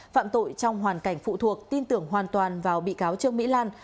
phạm tội trong hoàn cảnh phụ thuộc tin tưởng hoàn toàn vào bị cáo trương mỹ lan